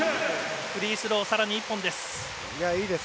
フリースロー、さらに１本です。